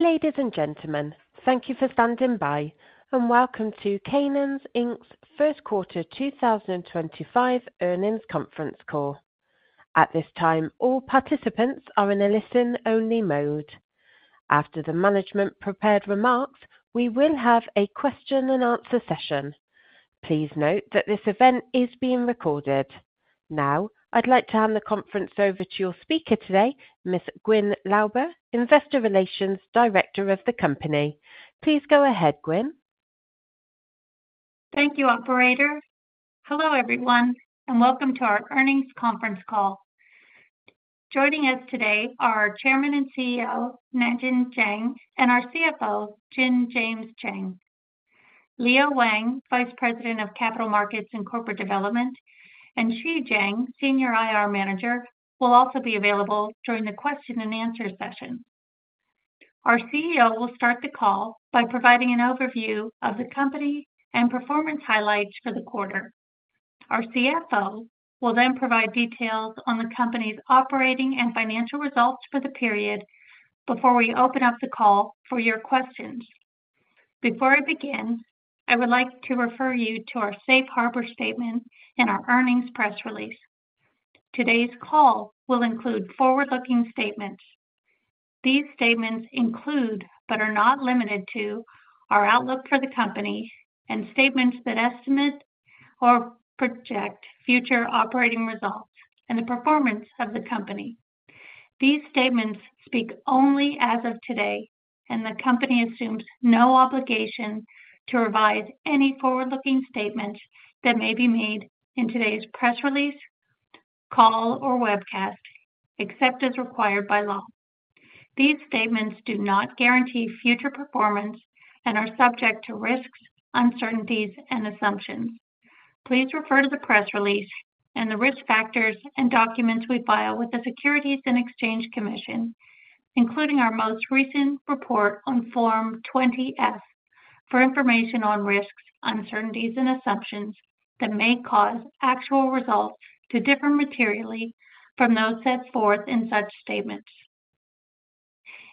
Ladies and gentlemen, thank you for standing by, and welcome to Canaan's first quarter 2025 earnings conference call. At this time, all participants are in a listen-only mode. After the management prepared remarks, we will have a question-and-answer session. Please note that this event is being recorded. Now, I'd like to hand the conference over to your speaker today, Ms. Gwyn Lauber, Investor Relations Director of the company. Please go ahead, Gwyn. Thank you, Operator. Hello everyone, and welcome to our earnings conference call. Joining us today are our Chairman and CEO, Nangeng Zhang, and our CFO, James Cheng. Liang Wang, Vice President of Capital Markets and Corporate Development, and Xi Zhang, Senior IR Manager, will also be available during the question-and-answer session. Our CEO will start the call by providing an overview of the company and performance highlights for the quarter. Our CFO will then provide details on the company's operating and financial results for the period before we open up the call for your questions. Before I begin, I would like to refer you to our Safe Harbor statement and our earnings press release. Today's call will include forward-looking statements. These statements include, but are not limited to, our outlook for the company and statements that estimate or project future operating results and the performance of the company. These statements speak only as of today, and the company assumes no obligation to revise any forward-looking statements that may be made in today's press release, call, or webcast, except as required by law. These statements do not guarantee future performance and are subject to risks, uncertainties, and assumptions. Please refer to the press release and the risk factors and documents we file with the Securities and Exchange Commission, including our most recent report on Form 20F, for information on risks, uncertainties, and assumptions that may cause actual results to differ materially from those set forth in such statements.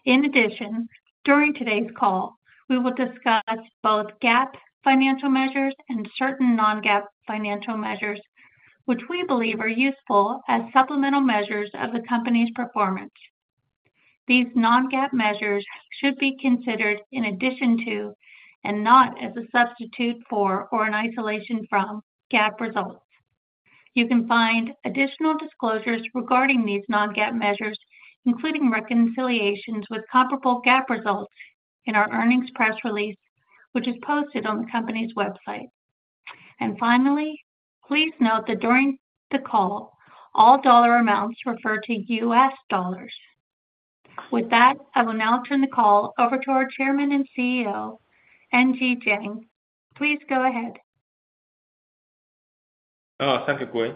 In addition, during today's call, we will discuss both GAAP financial measures and certain non-GAAP financial measures, which we believe are useful as supplemental measures of the company's performance. These non-GAAP measures should be considered in addition to, and not as a substitute for or in isolation from, GAAP results. You can find additional disclosures regarding these non-GAAP measures, including reconciliations with comparable GAAP results in our earnings press release, which is posted on the company's website. Finally, please note that during the call, all dollar amounts refer to US dollars. With that, I will now turn the call over to our Chairman and CEO, Nangeng Zhang. Please go ahead. Thank you, Gwyn.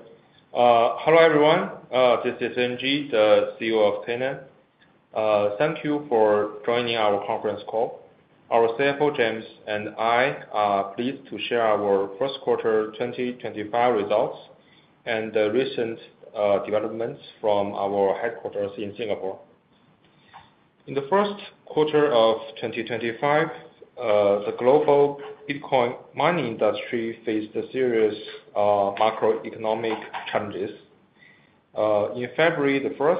Hello everyone. This is Ng, the CEO of Canaan. Thank you for joining our conference call. Our CFO, James, and I are pleased to share our first quarter 2025 results and the recent developments from our headquarters in Singapore. In the first quarter of 2025, the global Bitcoin mining industry faced serious macroeconomic challenges. On February 1,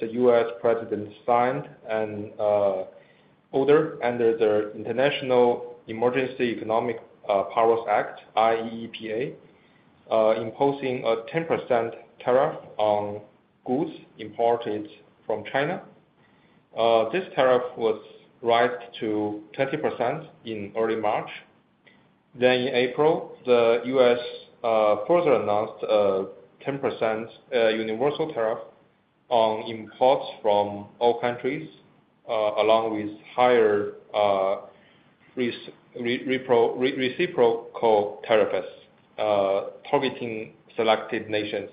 the U.S. President signed an order under the International Emergency Economic Powers Act, IEEPA, imposing a 10% tariff on goods imported from China. This tariff was raised to 20% in early March. In April, the U.S. further announced a 10% universal tariff on imports from all countries, along with higher reciprocal tariffs targeting selected nations,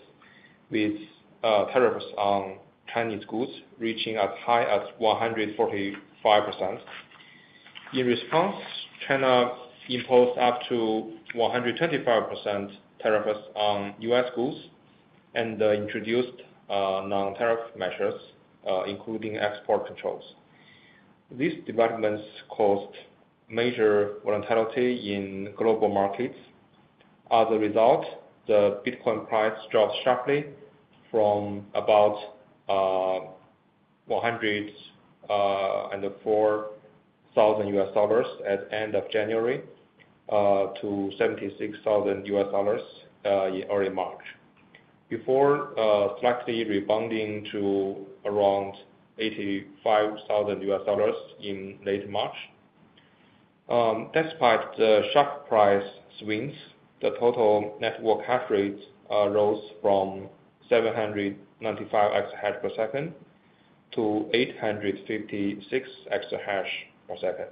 with tariffs on Chinese goods reaching as high as 145%. In response, China imposed up to 125% tariffs on U.S. goods and introduced non-tariff measures, including export controls. These developments caused major volatility in global markets. As a result, the Bitcoin price dropped sharply from about $104,000 at the end of January to $76,000 in early March, before slightly rebounding to around $85,000 in late March. Despite the sharp price swings, the total network hash rate rose from 795 exahash per second to 856 exahash per second.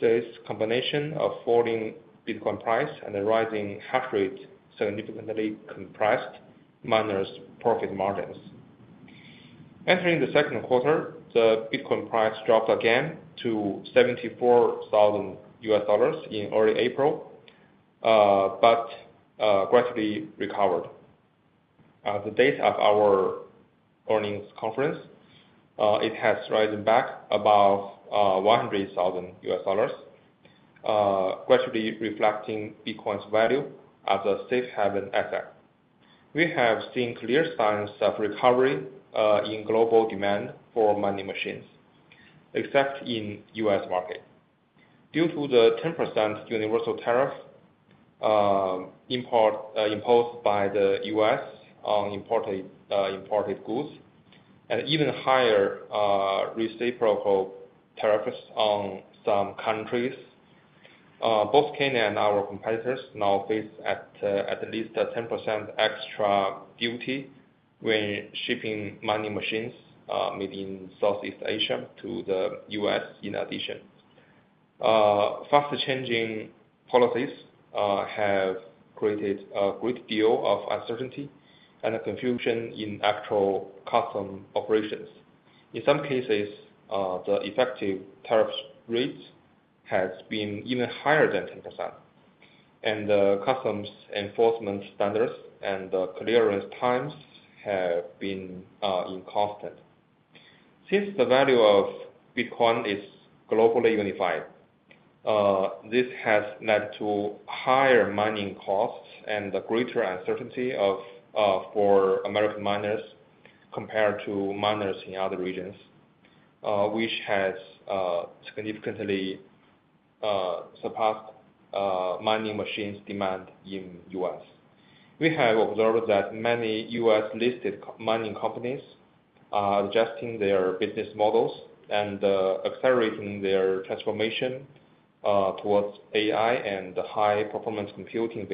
This combination of falling Bitcoin price and the rising hash rate significantly compressed miners' profit margins. Entering the second quarter, the Bitcoin price dropped again to $74,000 in early April, but gradually recovered. At the date of our earnings conference, it has risen back above $100,000, gradually reflecting Bitcoin's value as a safe-haven asset. We have seen clear signs of recovery in global demand for mining machines, except in the U.S. market. Due to the 10% universal tariff imposed by the U.S. on imported goods and even higher reciprocal tariffs on some countries, both Canaan and our competitors now face at least a 10% extra duty when shipping mining machines made in Southeast Asia to the U.S. in addition. Fast-changing policies have created a great deal of uncertainty and confusion in actual customs operations. In some cases, the effective tariff rate has been even higher than 10%, and the customs enforcement standards and the clearance times have been inconstant. Since the value of Bitcoin is globally unified, this has led to higher mining costs and greater uncertainty for American miners compared to miners in other regions, which has significantly surpassed mining machines' demand in the U.S. We have observed that many U.S.-listed mining companies are adjusting their business models and accelerating their transformation towards AI and high-performance computing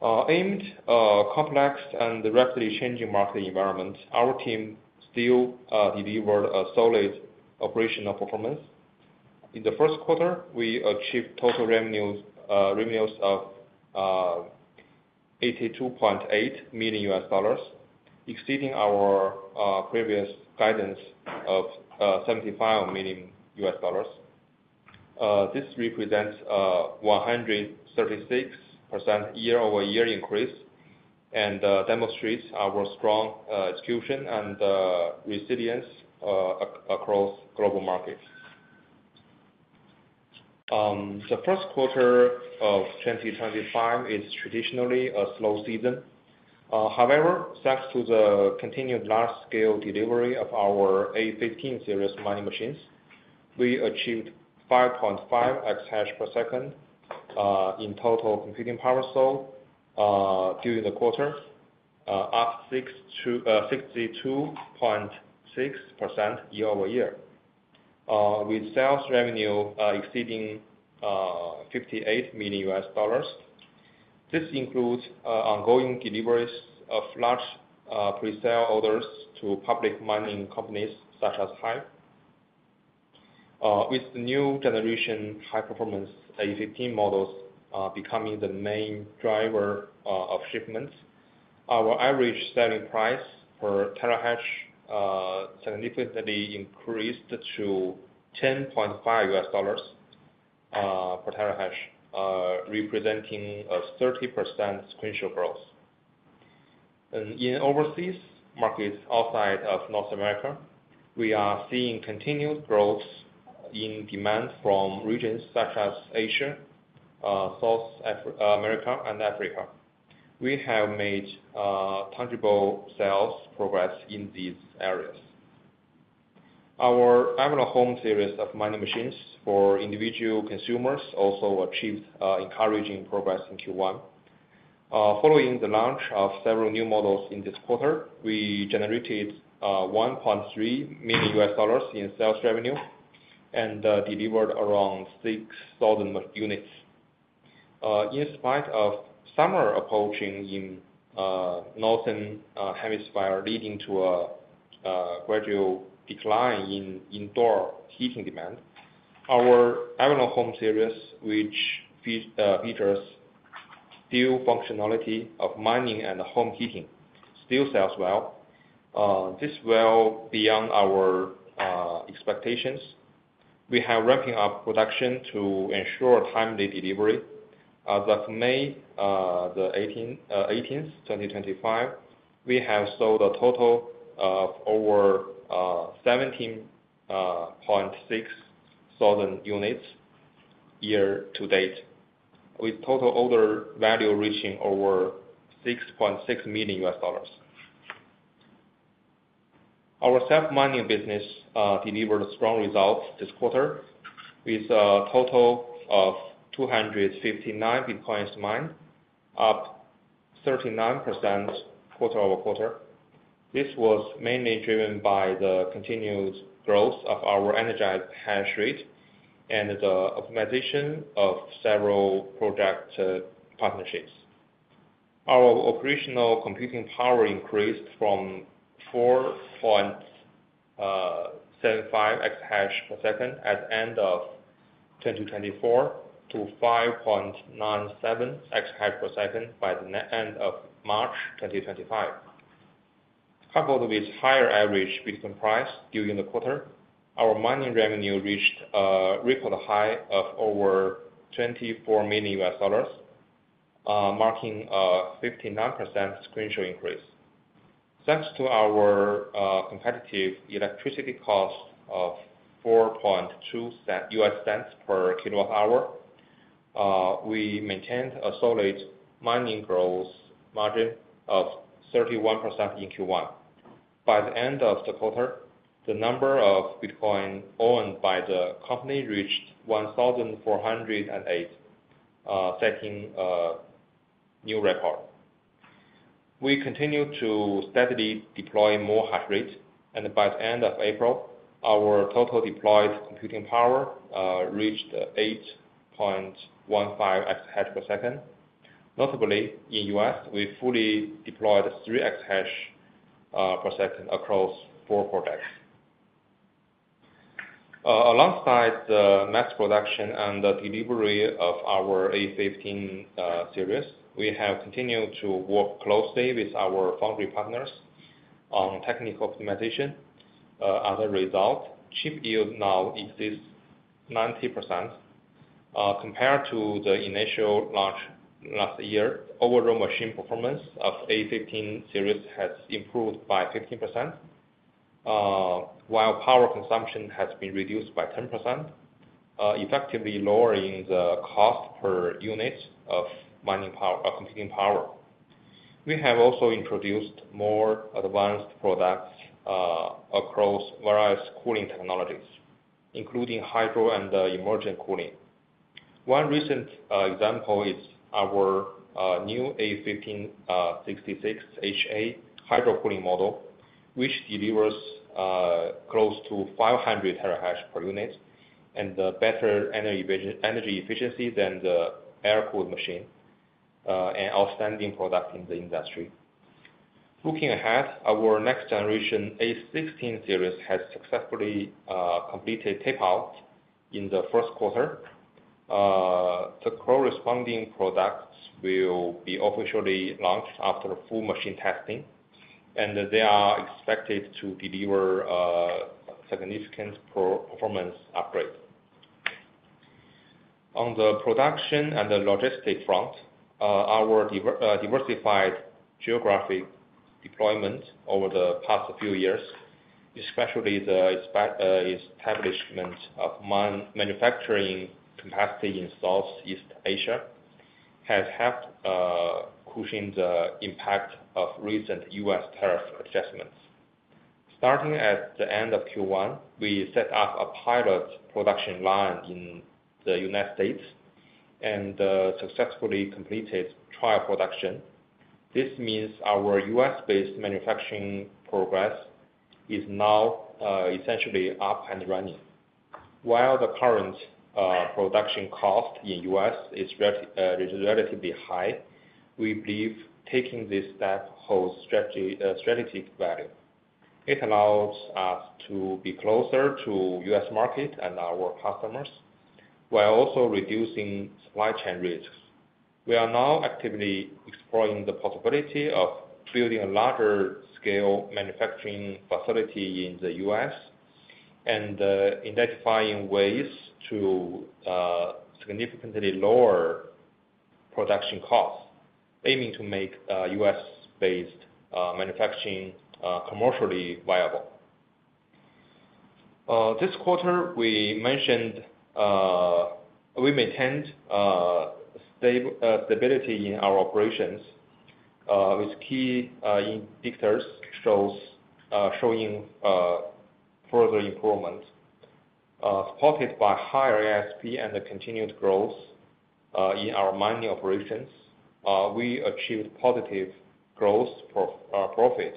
businesses. Aimed at a complex and rapidly changing market environment, our team still delivered solid operational performance. In the first quarter, we achieved total revenues of $82.8 million, exceeding our previous guidance of $75 million. This represents a 136% year-over-year increase and demonstrates our strong execution and resilience across global markets. The first quarter of 2025 is traditionally a slow season. However, thanks to the continued large-scale delivery of our A15 series mining machines, we achieved 5.5 exahash per second in total computing power sold during the quarter, up 62.6% year-over-year, with sales revenue exceeding $58 million. This includes ongoing deliveries of large presale orders to public mining companies such as Hive. With the new generation high-performance A15 models becoming the main driver of shipments, our average selling price per terahash significantly increased to $10.5 per terahash, representing a 30% sequential growth. In overseas markets outside of North America, we are seeing continued growth in demand from regions such as Asia, South America, and Africa. We have made tangible sales progress in these areas. Our Avalon Home series of mining machines for individual consumers also achieved encouraging progress in Q1. Following the launch of several new models in this quarter, we generated $1.3 million in sales revenue and delivered around 6,000 units. In spite of summer approaching in the northern hemisphere leading to a gradual decline in indoor heating demand, our Avalon Home series, which features dual functionality of mining and home heating, still sells well. This is well beyond our expectations. We have ramped up production to ensure timely delivery. As of May 18, 2025, we have sold a total of over 17,600 units year-to-date, with total order value reaching over $6.6 million. Our self-mining business delivered strong results this quarter, with a total of 259 Bitcoin mined, up 39% quarter-over-quarter. This was mainly driven by the continued growth of our energized hash rate and the optimization of several project partnerships. Our operational computing power increased from 4.75 exahash per second at the end of 2024 to 5.97 exahash per second by the end of March 2025. Coupled with higher average Bitcoin price during the quarter, our mining revenue reached a record high of over $24 million, marking a 59% sequential increase. Thanks to our competitive electricity cost of $0.042 per kilowatt-hour, we maintained a solid mining growth margin of 31% in Q1. By the end of the quarter, the number of Bitcoin owned by the company reached 1,408, setting a new record. We continue to steadily deploy more hash rates, and by the end of April, our total deployed computing power reached 8.15 exahash per second. Notably, in the U.S., we fully deployed 3 exahash per second across four projects. Alongside the mass production and the delivery of our A15 series, we have continued to work closely with our foundry partners on technical optimization. As a result, chip yield now exceeds 90%. Compared to the initial launch last year, overall machine performance of the A15 series has improved by 15%, while power consumption has been reduced by 10%, effectively lowering the cost per unit of mining power computing power. We have also introduced more advanced products across various cooling technologies, including hydro and emergent cooling. One recent example is our new A1566HA hydro cooling model, which delivers close to 500 terahash per unit and better energy efficiency than the air-cooled machine, an outstanding product in the industry. Looking ahead, our next generation A16 series has successfully completed tape-out in the first quarter. The corresponding products will be officially launched after full machine testing, and they are expected to deliver significant performance upgrades. On the production and the logistics front, our diversified geographic deployment over the past few years, especially the establishment of manufacturing capacity in Southeast Asia, has helped cushion the impact of recent U.S. tariff adjustments. Starting at the end of Q1, we set up a pilot production line in the United States and successfully completed trial production. This means our U.S.-based manufacturing progress is now essentially up and running. While the current production cost in the U.S. is relatively high, we believe taking this step holds strategic value. It allows us to be closer to the U.S. market and our customers while also reducing supply chain risks. We are now actively exploring the possibility of building a larger-scale manufacturing facility in the U.S. and identifying ways to significantly lower production costs, aiming to make U.S.-based manufacturing commercially viable. This quarter, we maintained stability in our operations, with key indicators showing further improvement. Supported by higher ASP and continued growth in our mining operations, we achieved positive gross profit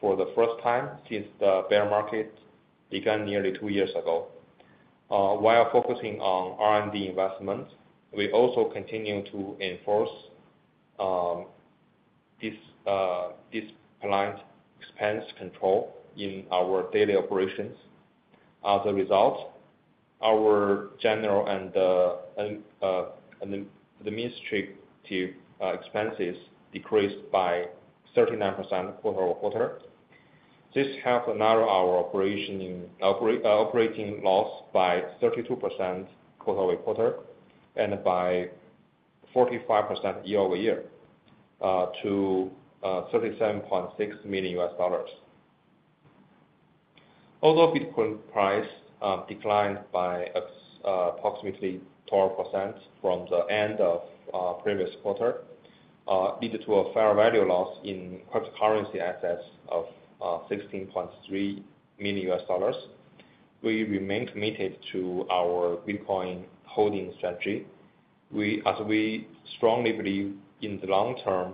for the first time since the bear market began nearly two years ago. While focusing on R&D investment, we also continue to enforce this planned expense control in our daily operations. As a result, our general and administrative expenses decreased by 39% quarter-over-quarter. This helped narrow our operating loss by 32% quarter-over-quarter and by 45% year-over-year to $37.6 million. Although Bitcoin price declined by approximately 12% from the end of the previous quarter, leading to a fair value loss in cryptocurrency assets of $16.3 million, we remain committed to our Bitcoin holding strategy. As we strongly believe in the long-term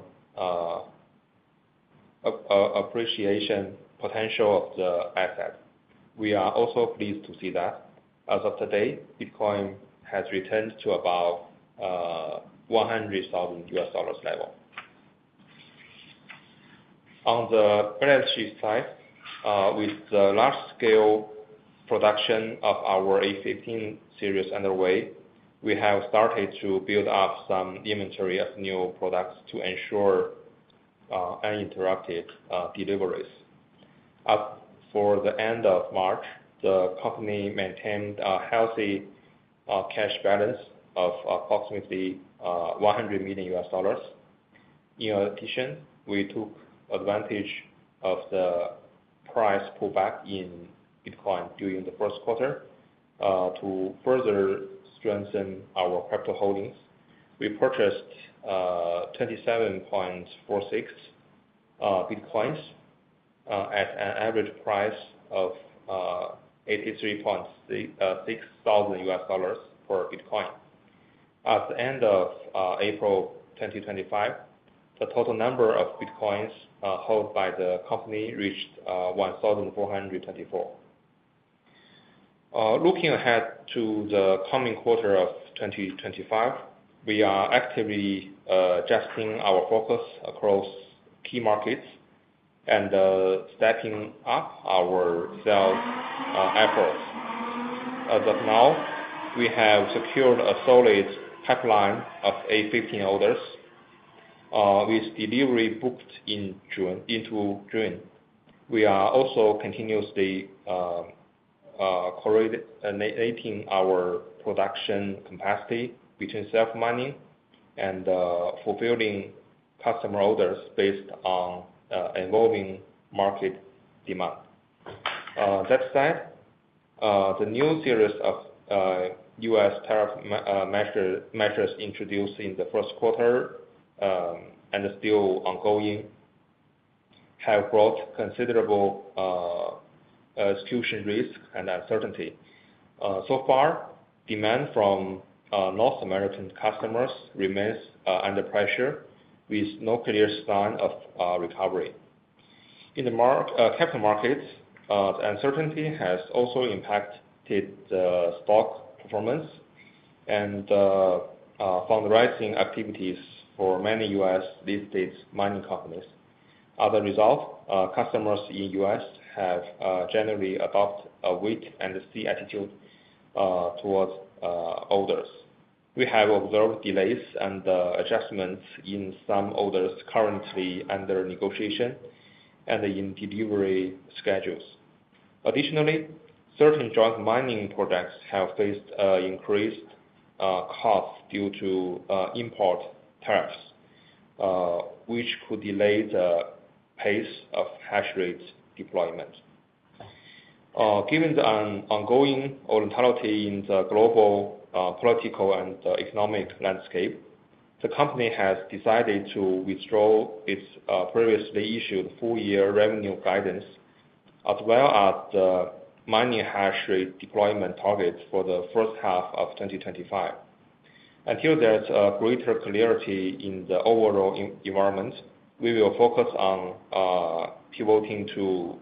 appreciation potential of the asset, we are also pleased to see that. As of today, Bitcoin has returned to about the $100,000 level. On the balance sheet side, with the large-scale production of our A15 series underway, we have started to build up some inventory of new products to ensure uninterrupted deliveries. For the end of March, the company maintained a healthy cash balance of approximately $100 million. In addition, we took advantage of the price pullback in Bitcoin during the first quarter to further strengthen our crypto holdings. We purchased 27.46 Bitcoins at an average price of $83,600 per Bitcoin. At the end of April 2025, the total number of Bitcoins held by the company reached 1,424. Looking ahead to the coming quarter of 2025, we are actively adjusting our focus across key markets and stepping up our sales efforts. As of now, we have secured a solid pipeline of A15 orders, with delivery booked into June. We are also continuously correlating our production capacity between self-mining and fulfilling customer orders based on evolving market demand. That said, the new series of U.S. tariff measures introduced in the first quarter and still ongoing have brought considerable execution risk and uncertainty. So far, demand from North American customers remains under pressure, with no clear sign of recovery. In the capital markets, the uncertainty has also impacted stock performance and fundraising activities for many U.S. listed mining companies. As a result, customers in the U.S. have generally adopted a wait-and-see attitude towards orders. We have observed delays and adjustments in some orders currently under negotiation and in delivery schedules. Additionally, certain joint mining projects have faced increased costs due to import tariffs, which could delay the pace of hash rate deployment. Given the ongoing volatility in the global political and economic landscape, the company has decided to withdraw its previously issued full-year revenue guidance, as well as the mining hash rate deployment target for the first half of 2025. Until there's greater clarity in the overall environment, we will focus on pivoting to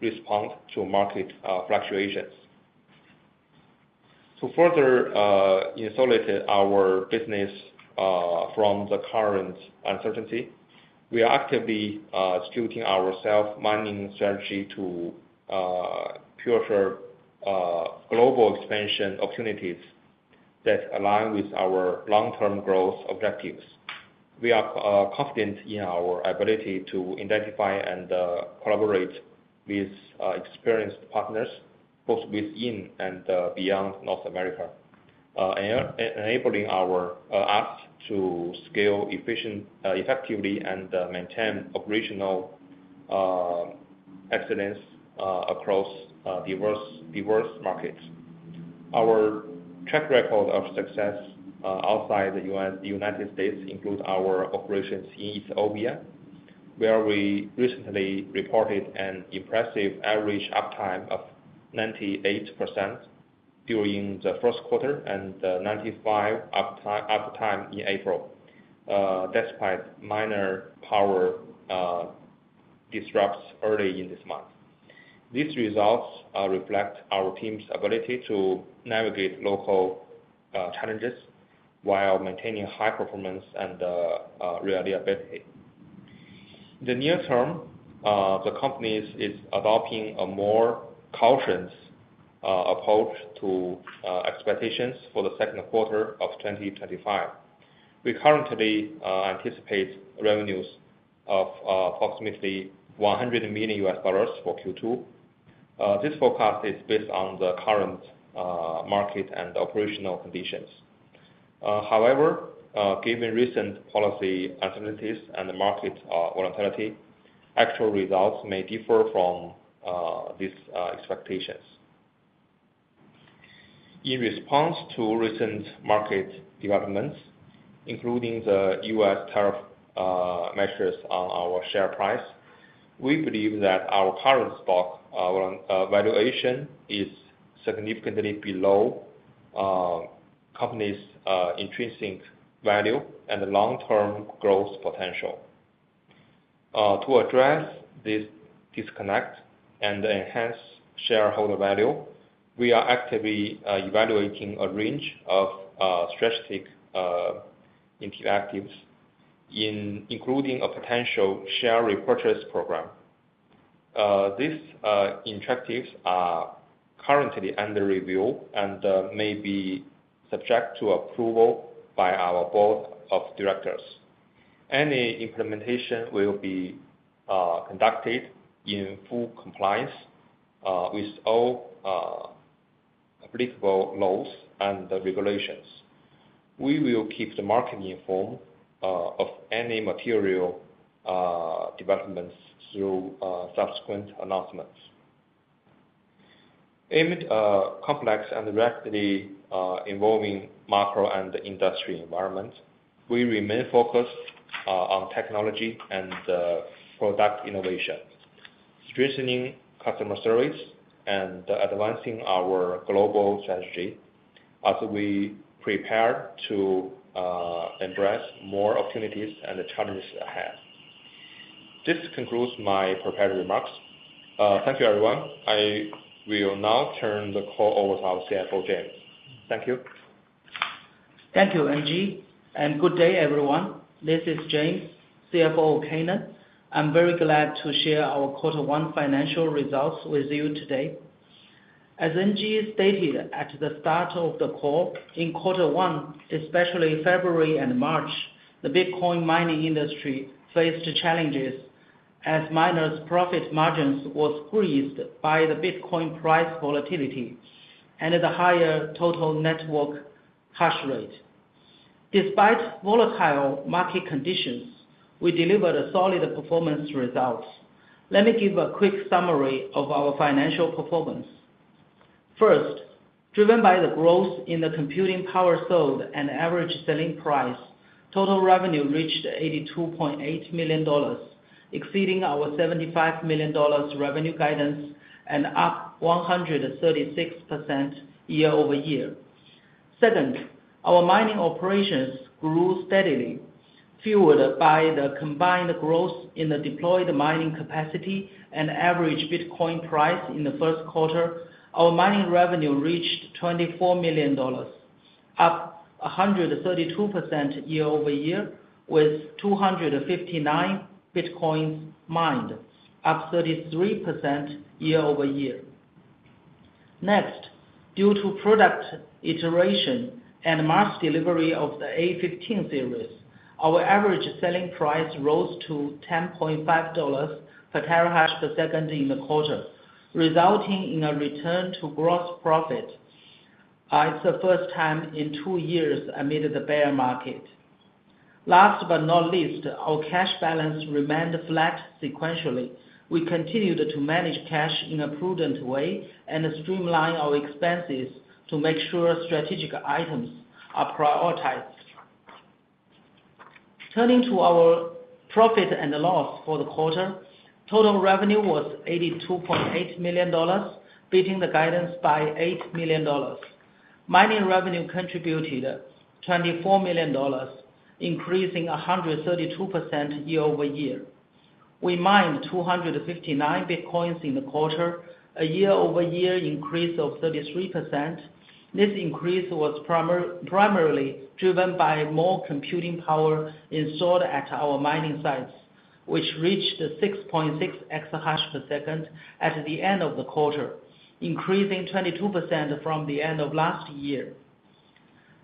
respond to market fluctuations. To further insulate our business from the current uncertainty, we are actively scouting our self-mining strategy to pursue global expansion opportunities that align with our long-term growth objectives. We are confident in our ability to identify and collaborate with experienced partners, both within and beyond North America, enabling us to scale effectively and maintain operational excellence across diverse markets. Our track record of success outside the United States includes our operations in Ethiopia, where we recently reported an impressive average uptime of 98% during the first quarter and 95% uptime in April, despite minor power disruptions early in this month. These results reflect our team's ability to navigate local challenges while maintaining high performance and reliability. In the near term, the company is adopting a more cautious approach to expectations for the second quarter of 2025. We currently anticipate revenues of approximately $100 million for Q2.This forecast is based on the current market and operational conditions. However, given recent policy uncertainties and market volatility, actual results may differ from these expectations. In response to recent market developments, including the U.S. tariff measures on our share price, we believe that our current stock valuation is significantly below the company's intrinsic value and long-term growth potential. To address this disconnect and enhance shareholder value, we are actively evaluating a range of strategic initiatives, including a potential share repurchase program. These initiatives are currently under review and may be subject to approval by our board of directors. Any implementation will be conducted in full compliance with all applicable laws and regulations. We will keep the market informed of any material developments through subsequent announcements. Amid a complex and rapidly evolving macro and industry environment, we remain focused on technology and product innovation, strengthening customer service, and advancing our global strategy as we prepare to embrace more opportunities and challenges ahead. This concludes my prepared remarks. Thank you, everyone. I will now turn the call over to our CFO, James. Thank you. Thank you, NG. And good day, everyone. This is James, CFO of Canaan. I'm very glad to share our quarter one financial results with you today. As NG stated at the start of the call, in quarter one, especially February and March, the Bitcoin mining industry faced challenges as miners' profit margins were squeezed by the Bitcoin price volatility and the higher total network hash rate. Despite volatile market conditions, we delivered solid performance results. Let me give a quick summary of our financial performance. First, driven by the growth in the computing power sold and average selling price, total revenue reached $82.8 million, exceeding our $75 million revenue guidance and up 136% year-over-year. Second, our mining operations grew steadily. Fueled by the combined growth in the deployed mining capacity and average Bitcoin price in the first quarter, our mining revenue reached $24 million, up 132% year-over-year, with 259 Bitcoins mined, up 33% year-over-year. Next, due to product iteration and mass delivery of the A15 series, our average selling price rose to $10.5 per terahash per second in the quarter, resulting in a return to gross profit. It is the first time in two years amid the bear market. Last but not least, our cash balance remained flat sequentially. We continued to manage cash in a prudent way and streamline our expenses to make sure strategic items are prioritized. Turning to our profit and loss for the quarter, total revenue was $82.8 million, beating the guidance by $8 million. Mining revenue contributed $24 million, increasing 132% year-over-year. We mined 259 Bitcoin in the quarter, a year-over-year increase of 33%. This increase was primarily driven by more computing power installed at our mining sites, which reached 6.6 exahash per second at the end of the quarter, increasing 22% from the end of last year.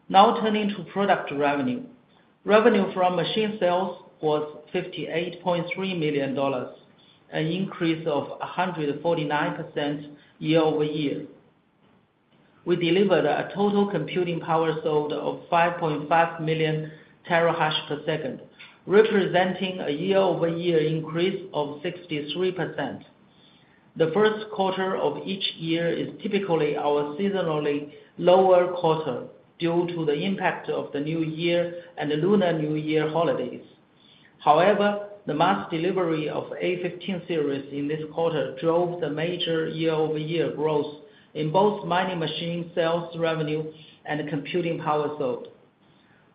Now turning to product revenue. Revenue from machine sales was $58.3 million, an increase of 149% year-over-year. We delivered a total computing power sold of 5.5 million terahash per second, representing a year-over-year increase of 63%. The first quarter of each year is typically our seasonally lower quarter due to the impact of the New Year and Lunar New Year holidays. However, the mass delivery of A15 series in this quarter drove the major year-over-year growth in both mining machine sales revenue and computing power sold.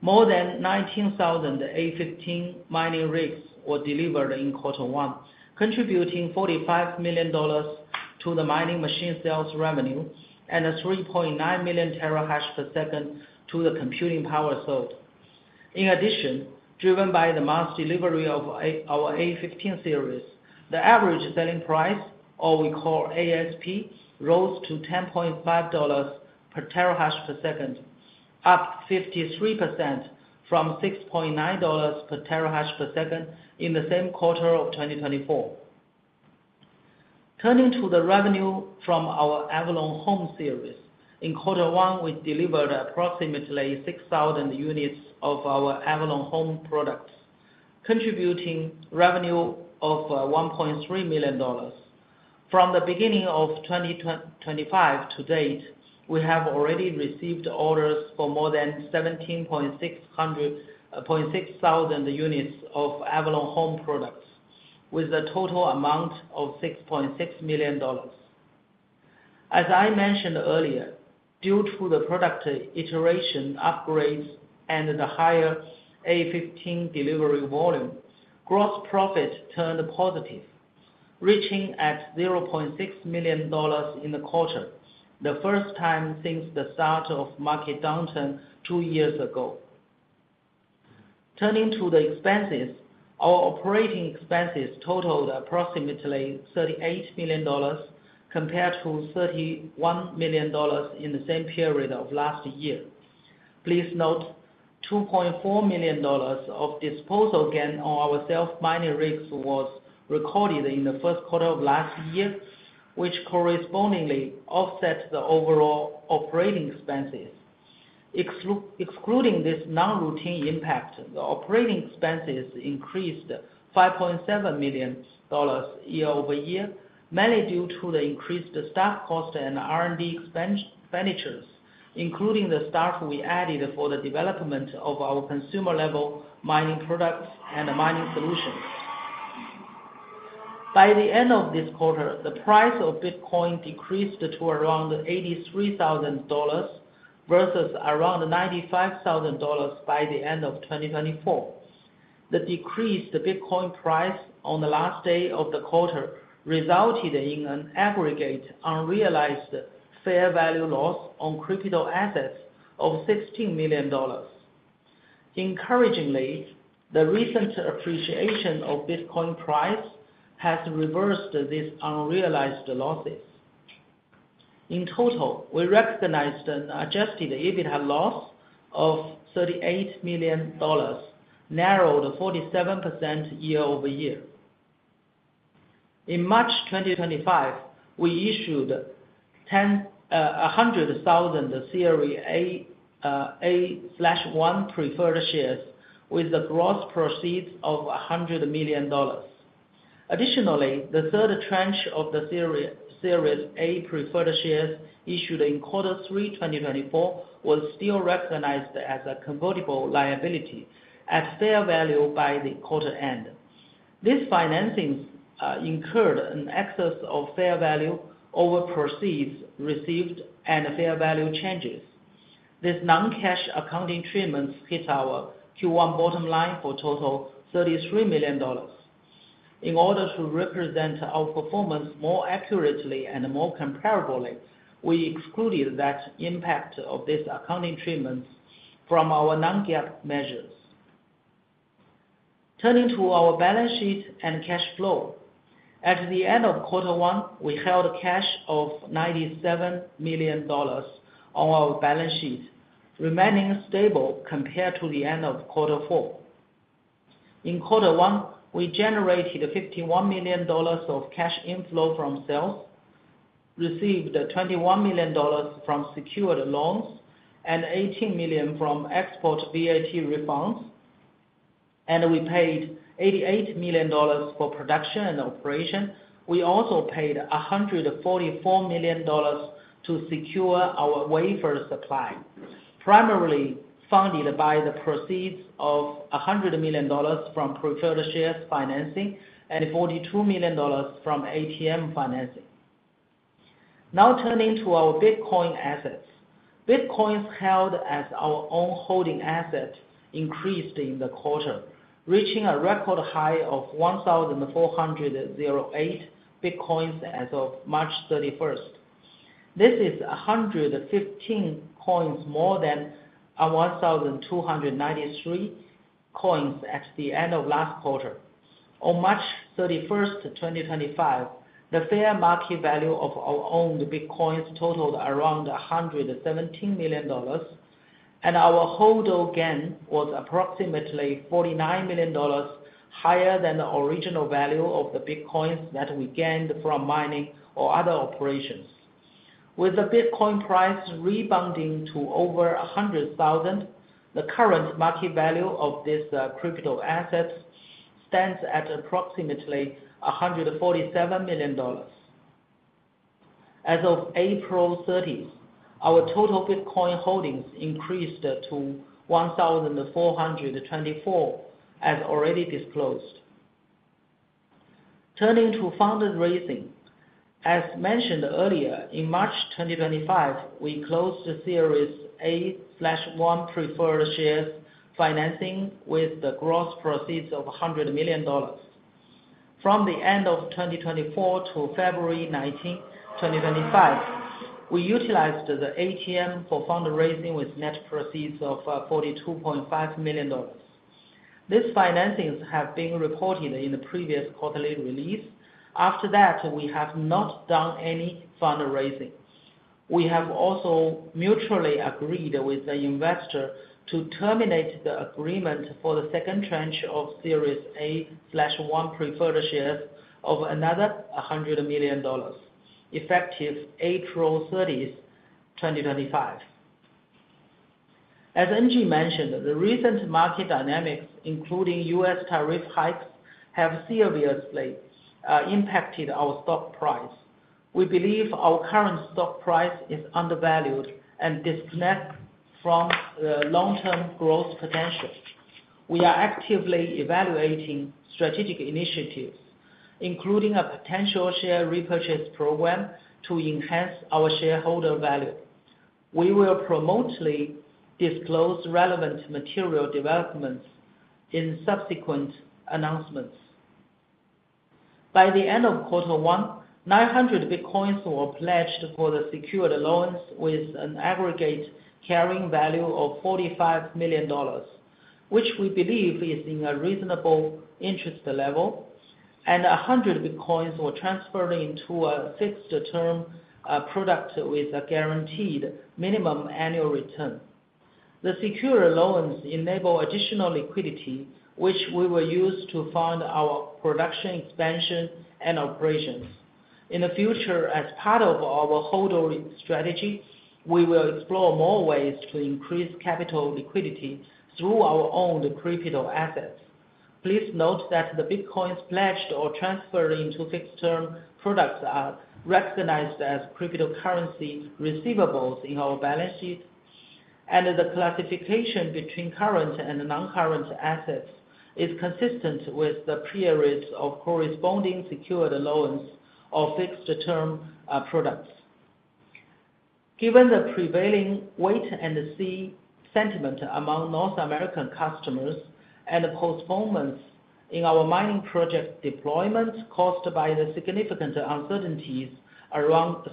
More than 19,000 A15 mining rigs were delivered in quarter one, contributing $45 million to the mining machine sales revenue and 3.9 million terahash per second to the computing power sold. In addition, driven by the mass delivery of our A15 series, the average selling price, or we call ASP, rose to $10.5 per terahash per second, up 53% from $6.9 per terahash per second in the same quarter of 2024. Turning to the revenue from our Avalon Home series, in quarter one, we delivered approximately 6,000 units of our Avalon Home products, contributing revenue of $1.3 million. From the beginning of 2025 to date, we have already received orders for more than 17,600 units of Avalon Home products, with a total amount of $6.6 million. As I mentioned earlier, due to the product iteration upgrades and the higher A15 delivery volume, gross profit turned positive, reaching $0.6 million in the quarter, the first time since the start of market downturn two years ago. Turning to the expenses, our operating expenses totaled approximately $38 million compared to $31 million in the same period of last year. Please note, $2.4 million of disposal gain on our self-mining rigs was recorded in the first quarter of last year, which correspondingly offset the overall operating expenses. Excluding this non-routine impact, the operating expenses increased $5.7 million year-over-year, mainly due to the increased staff cost and R&D expenditures, including the staff we added for the development of our consumer-level mining products and mining solutions. By the end of this quarter, the price of Bitcoin decreased to around $83,000 versus around $95,000 by the end of 2024. The decreased Bitcoin price on the last day of the quarter resulted in an aggregate unrealized fair value loss on crypto assets of $16 million. Encouragingly, the recent appreciation of Bitcoin price has reversed these unrealized losses. In total, we recognized an adjusted EBITDA loss of $38 million, narrowed 47% year-over-year. In March 2025, we issued 100,000 Series A/1 preferred shares with a gross proceeds of $100 million. Additionally, the third tranche of the Series A preferred shares issued in quarter three 2024 was still recognized as a convertible liability at fair value by the quarter end. This financing incurred an excess of fair value over proceeds received and fair value changes. This non-cash accounting treatment hit our Q1 bottom line for a total of $33 million. In order to represent our performance more accurately and more comparably, we excluded that impact of this accounting treatment from our non-GAAP measures. Turning to our balance sheet and cash flow. At the end of quarter one, we held cash of $97 million on our balance sheet, remaining stable compared to the end of quarter four. In quarter one, we generated $51 million of cash inflow from sales, received $21 million from secured loans, and $18 million from export VAT refunds, and we paid $88 million for production and operation. We also paid $144 million to secure our wafer supply, primarily funded by the proceeds of $100 million from preferred shares financing and $42 million from ATM financing. Now turning to our Bitcoin assets. Bitcoins held as our own holding asset increased in the quarter, reaching a record high of 1,408 Bitcoins as of March 31. This is 115 coins more than 1,293 coins at the end of last quarter. On March 31, 2025, the fair market value of our owned Bitcoins totaled around $117 million, and our hold-gain was approximately $49 million, higher than the original value of the Bitcoins that we gained from mining or other operations. With the Bitcoin price rebounding to over $100,000, the current market value of these crypto assets stands at approximately $147 million. As of April 30, our total Bitcoin holdings increased to 1,424, as already disclosed. Turning to fundraising. As mentioned earlier, in March 2025, we closed Series A/1 preferred shares financing with the gross proceeds of $100 million. From the end of 2024 to February 19, 2025, we utilized the ATM for fundraising with net proceeds of $42.5 million. These financings have been reported in the previous quarterly release. After that, we have not done any fundraising. We have also mutually agreed with the investor to terminate the agreement for the second tranche of Series A/1 preferred shares of another $100 million, effective April 30, 2025. As NG mentioned, the recent market dynamics, including U.S. tariff hikes, have seriously impacted our stock price. We believe our current stock price is undervalued and disconnected from the long-term growth potential. We are actively evaluating strategic initiatives, including a potential share repurchase program to enhance our shareholder value. We will promptly disclose relevant material developments in subsequent announcements. By the end of quarter one, 900 Bitcoins were pledged for the secured loans with an aggregate carrying value of $45 million, which we believe is in a reasonable interest level, and 100 Bitcoins were transferred into a fixed-term product with a guaranteed minimum annual return. The secured loans enable additional liquidity, which we will use to fund our production expansion and operations. In the future, as part of our hold-on strategy, we will explore more ways to increase capital liquidity through our owned crypto assets. Please note that the Bitcoins pledged or transferred into fixed-term products are recognized as cryptocurrency receivables in our balance sheet, and the classification between current and non-current assets is consistent with the periods of corresponding secured loans or fixed-term products. Given the prevailing wait-and-see sentiment among North American customers and the postponements in our mining project deployment caused by the significant uncertainties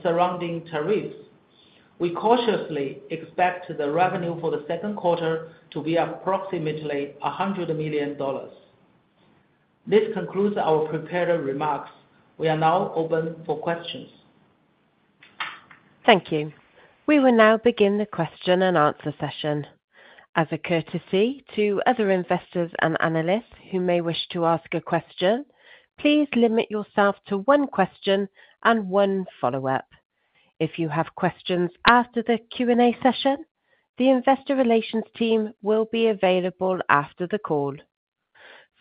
surrounding tariffs, we cautiously expect the revenue for the second quarter to be approximately $100 million. This concludes our prepared remarks. We are now open for questions. Thank you. We will now begin the question and answer session. As a courtesy to other investors and analysts who may wish to ask a question, please limit yourself to one question and one follow-up. If you have questions after the Q&A session, the investor relations team will be available after the call.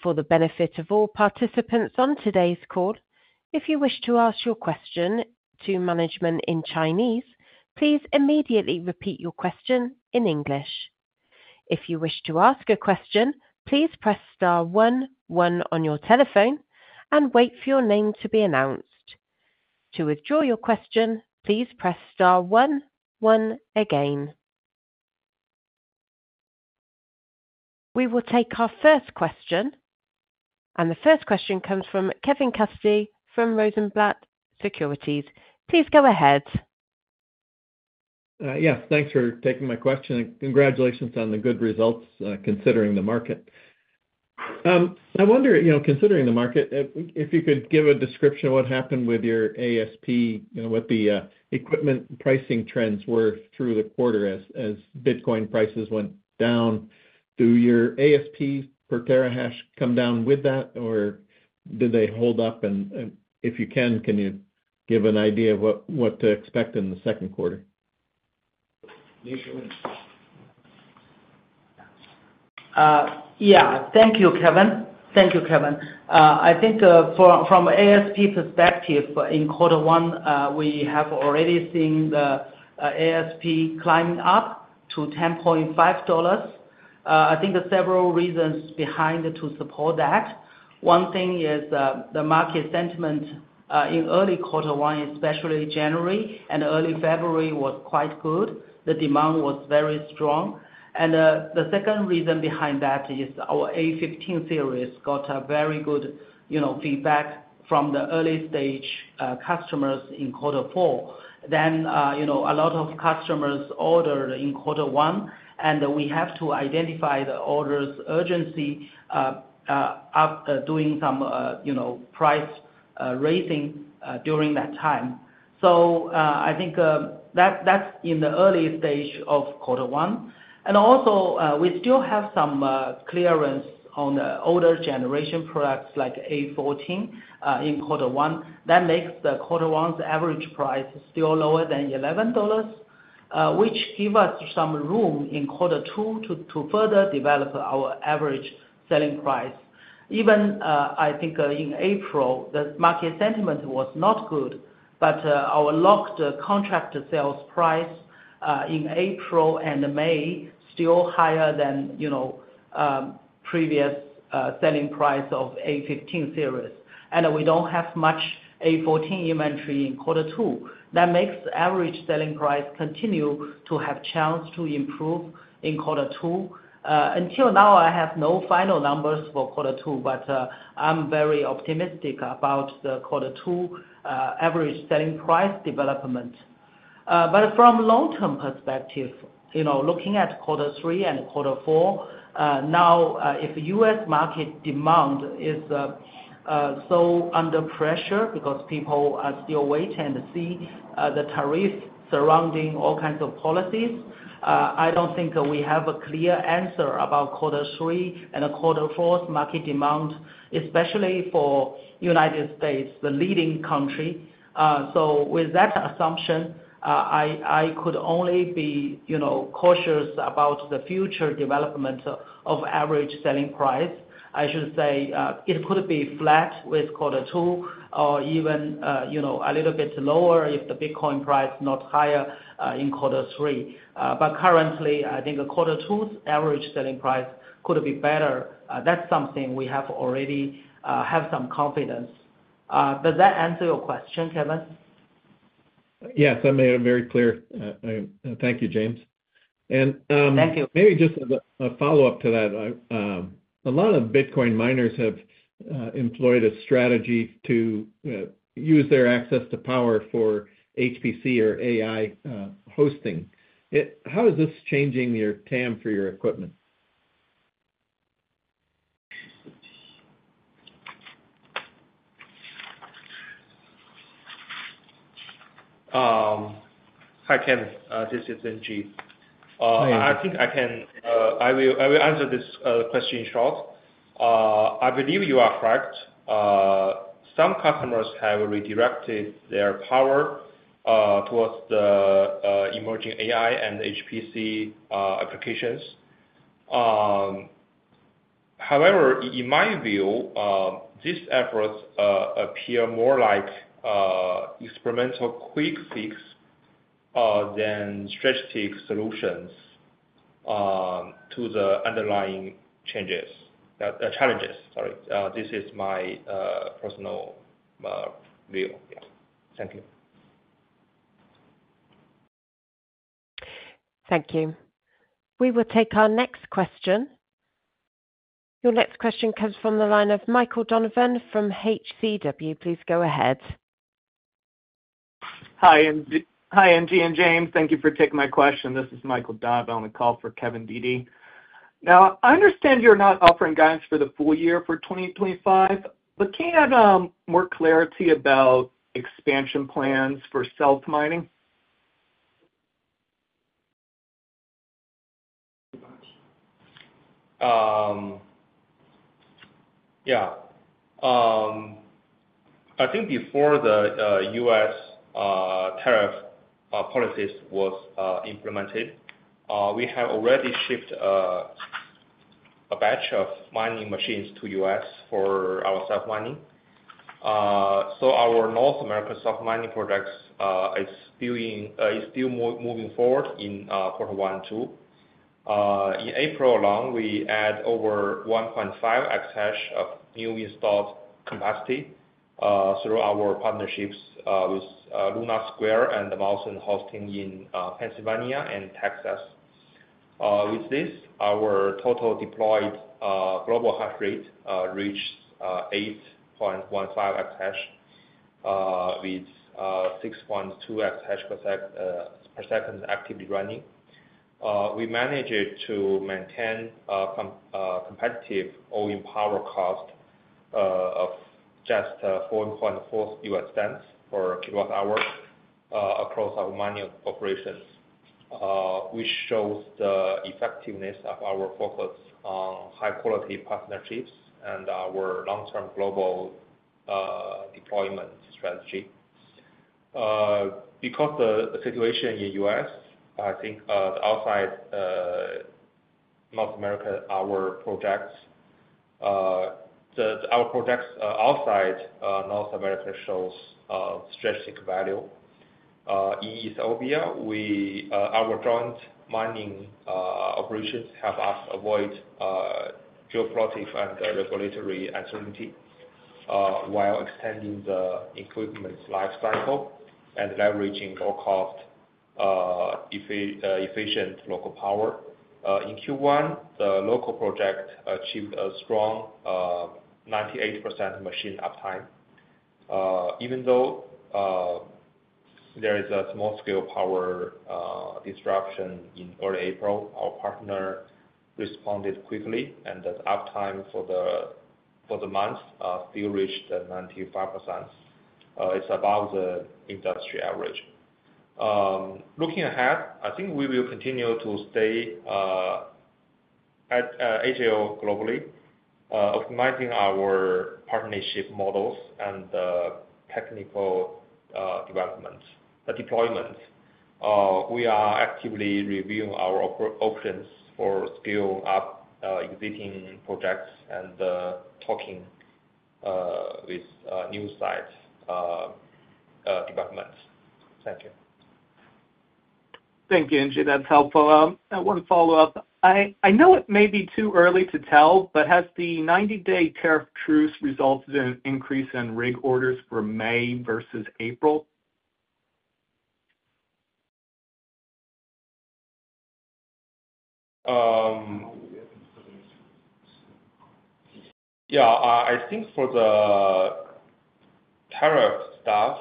For the benefit of all participants on today's call, if you wish to ask your question to management in Chinese, please immediately repeat your question in English.If you wish to ask a question, please press star one one on your telephone and wait for your name to be announced. To withdraw your question, please press star one one again. We will take our first question, and the first question comes from Kevin Cassidy from Rosenblatt Securities. Please go ahead. Yes, thanks for taking my question. Congratulations on the good results considering the market. I wonder, considering the market, if you could give a description of what happened with your ASP, what the equipment pricing trends were through the quarter as Bitcoin prices went down. Do your ASP per terahash come down with that, or did they hold up? If you can, can you give an idea of what to expect in the second quarter? Yeah, thank you, Kevin. Thank you, Kevin.I think from ASP perspective, in quarter one, we have already seen the ASP climb up to $10.5. I think there are several reasons behind it to support that. One thing is the market sentiment in early quarter one, especially January and early February, was quite good. The demand was very strong. The second reason behind that is our A15 series got very good feedback from the early-stage customers in quarter four. A lot of customers ordered in quarter one, and we have to identify the orders' urgency of doing some price raising during that time. I think that's in the early stage of quarter one. We still have some clearance on the older generation products like A14 in quarter one. That makes the quarter one's average price still lower than $11, which gives us some room in quarter two to further develop our average selling price. Even I think in April, the market sentiment was not good, but our locked contract sales price in April and May is still higher than previous selling price of A15 series. We do not have much A14 inventory in quarter two. That makes the average selling price continue to have a chance to improve in quarter two. Until now, I have no final numbers for quarter two, but I am very optimistic about the quarter two average selling price development. From a long-term perspective, looking at quarter three and quarter four, now if the U.S. market demand is so under pressure because people are still waiting and seeing the tariffs surrounding all kinds of policies, I don't think we have a clear answer about quarter three and quarter four's market demand, especially for the United States, the leading country. With that assumption, I could only be cautious about the future development of average selling price. I should say it could be flat with quarter two or even a little bit lower if the Bitcoin price is not higher in quarter three. Currently, I think quarter two's average selling price could be better. That's something we already have some confidence. Does that answer your question, Kevin? Yes, you made it very clear. Thank you, James. Maybe just a follow-up to that.A lot of Bitcoin miners have employed a strategy to use their access to power for HPC or AI hosting. How is this changing your TAM for your equipment? Hi, Kevin. This is NG. I think I can I will answer this question short. I believe you are correct. Some customers have redirected their power towards the emerging AI and HPC applications. However, in my view, these efforts appear more like experimental quick fix than strategic solutions to the underlying challenges. Sorry. This is my personal view. Thank you. Thank you. We will take our next question. Your next question comes from the line of Michael Donovan from HC Wainwright. Please go ahead. Hi, NG and James. Thank you for taking my question. This is Michael Donovan on the call for Kevin Dede.Now, I understand you're not offering guidance for the full year for 2025, but can you have more clarity about expansion plans for self-mining? Yeah. I think before the U.S. tariff policies were implemented, we had already shipped a batch of mining machines to the U.S. for our self-mining. Our North America self-mining project is still moving forward in quarter one and two. In April alone, we added over 1.5 exahash of newly installed capacity through our partnerships with Luna Square and Molson Hosting in Pennsylvania and Texas. With this, our total deployed global hash rate reached 8.15 exahash with 6.2 exahash per second actively running. We managed to maintain competitive all-in-power cost of just $0.044 per kilowatt-hour across our mining operations, which shows the effectiveness of our focus on high-quality partnerships and our long-term global deployment strategy. Because of the situation in the U.S., I think outside North America, our projects outside North America show strategic value. In Ethiopia, our joint mining operations help us avoid geopolitical and regulatory uncertainty while extending the equipment's lifecycle and leveraging low-cost, efficient local power. In Q1, the local project achieved a strong 98% machine uptime. Even though there is a small-scale power disruption in early April, our partner responded quickly, and the uptime for the month still reached 95%. It's above the industry average. Looking ahead, I think we will continue to stay at AJL globally, optimizing our partnership models and technical development, the deployment. We are actively reviewing our options for scaling up existing projects and talking with new site development. Thank you. Thank you, NG. That's helpful. One follow-up.I know it may be too early to tell, but has the 90-day tariff truce resulted in an increase in rig orders for May versus April? Yeah. I think for the tariff stuff,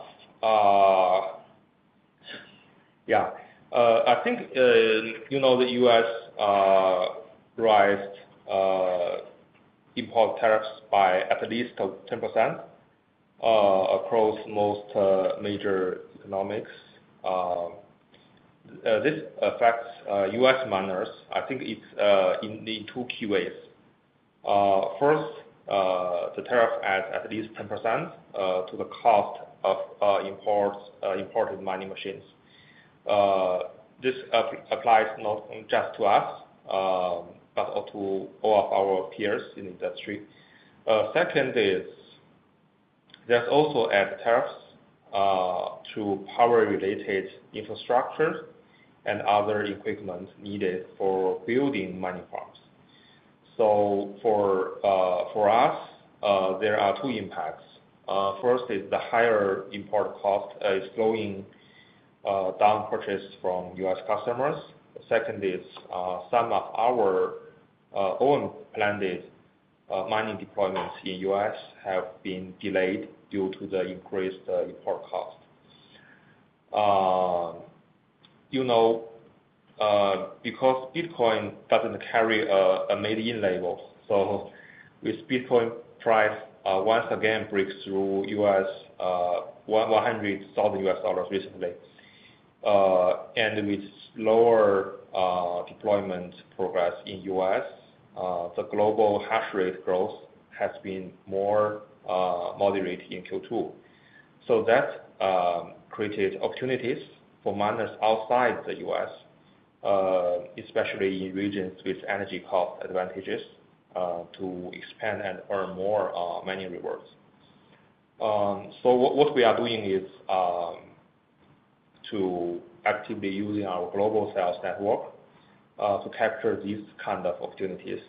yeah. I think the U.S. raised import tariffs by at least 10% across most major economies. This affects U.S. miners, I think, in two key ways. First, the tariff adds at least 10% to the cost of imported mining machines. This applies not just to us, but to all of our peers in the industry. Second is, there's also added tariffs to power-related infrastructures and other equipment needed for building mining farms. For us, there are two impacts. First is the higher import cost is slowing down purchase from U.S. customers. Second is some of our own planned mining deployments in the U.S. have been delayed due to the increased import cost. Because Bitcoin does not carry a made-in label, with Bitcoin price once again breaking through $100,000 recently, and with slower deployment progress in the U.S., the global hash rate growth has been more moderate in Q2. That created opportunities for miners outside the U.S., especially in regions with energy cost advantages, to expand and earn more mining rewards. What we are doing is actively using our global sales network to capture these kinds of opportunities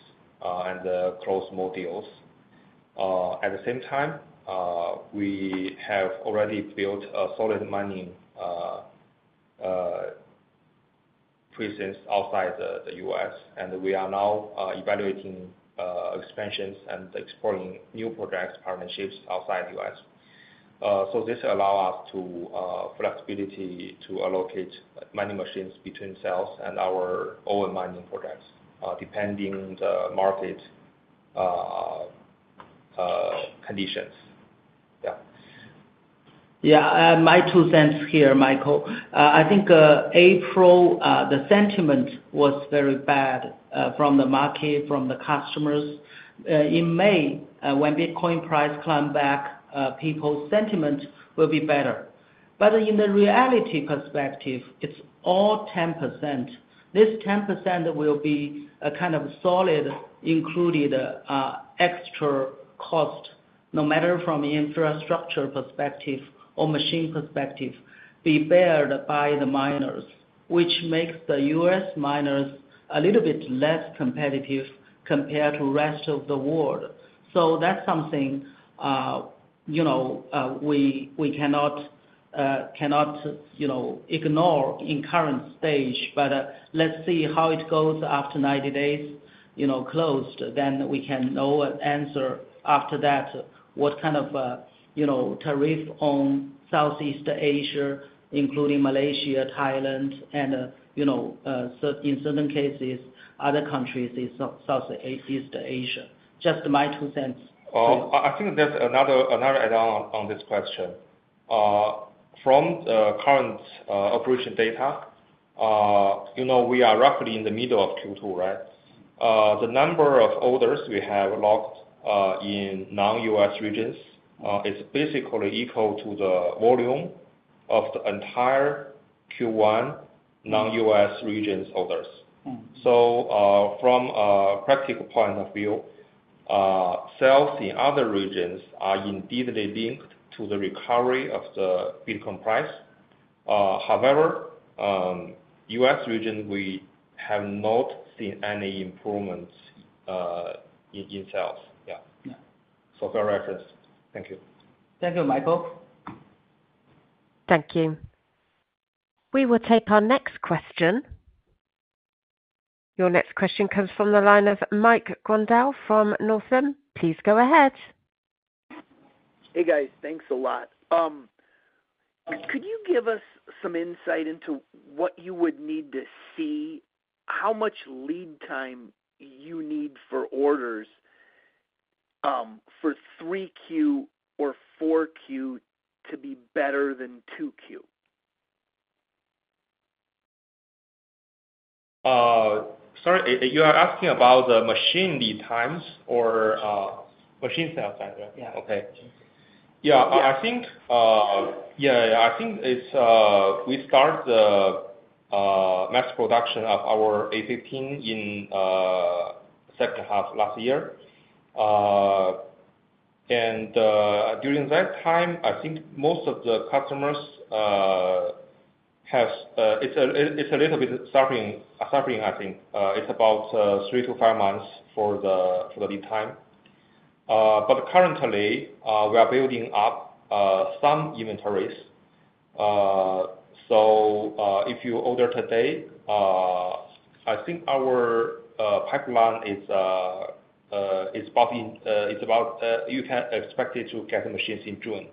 and close more deals. At the same time, we have already built a solid mining presence outside the U.S., and we are now evaluating expansions and exploring new project partnerships outside the U.S. This allows us flexibility to allocate mining machines between sales and our own mining projects, depending on the market conditions. Yeah. Yeah. My two cents here, Michael.I think April, the sentiment was very bad from the market, from the customers. In May, when Bitcoin price climbed back, people's sentiment will be better. In the reality perspective, it's all 10%. This 10% will be a kind of solid included extra cost, no matter from an infrastructure perspective or machine perspective, be bared by the miners, which makes the US miners a little bit less competitive compared to the rest of the world. That's something we cannot ignore in the current stage, but let's see how it goes after 90 days closed. We can know an answer after that, what kind of tariff on Southeast Asia, including Malaysia, Thailand, and in certain cases, other countries in Southeast Asia. Just my two cents. I think there's another add-on on this question. From the current operation data, we are roughly in the middle of Q2, right? The number of orders we have locked in non-U.S. regions is basically equal to the volume of the entire Q1 non-U.S. regions orders. From a practical point of view, sales in other regions are indeed linked to the recovery of the Bitcoin price. However, U.S. region, we have not seen any improvements in sales. Yeah. For reference. Thank you. Thank you, Michael. Thank you. We will take our next question. Your next question comes from the line of Mike Rodell from Northern Trust. Please go ahead. Hey, guys. Thanks a lot. Could you give us some insight into what you would need to see, how much lead time you need for orders for 3Q or 4Q to be better than 2Q? Sorry, you are asking about the machine lead times or machine sales? Yeah. Okay. Yeah.I think, yeah, I think we started the mass production of our A15 in the second half last year. During that time, I think most of the customers have, it's a little bit suffering, I think. It's about three to five months for the lead time. Currently, we are building up some inventories. If you order today, I think our pipeline is about, you can expect to get machines in June.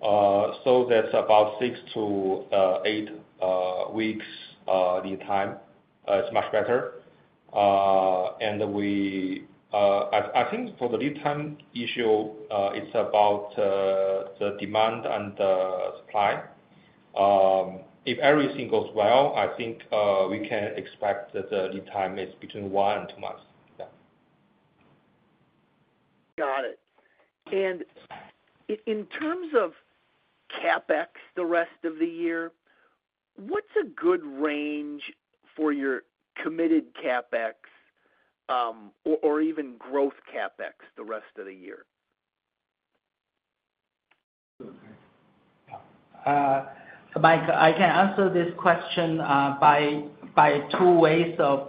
That's about six to eight weeks lead time. It's much better. I think for the lead time issue, it's about the demand and the supply. If everything goes well, I think we can expect that the lead time is between one and two months. Yeah. Got it.In terms of CapEx the rest of the year, what's a good range for your committed CapEx or even growth CapEx the rest of the year? Mike, I can answer this question by two ways of